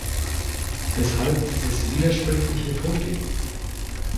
Weshalb dieses widersprüchliche Vorgehen?